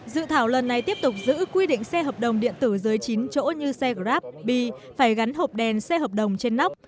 dự thảo lần này tiếp tục giữ quy định xe hợp đồng điện tử dưới chín chỗ như xe grab bi phải gắn hộp đèn xe hợp đồng trên nóc